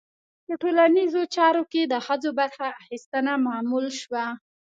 په ټولنیزو چارو کې د ښځو برخه اخیستنه معمول شوه.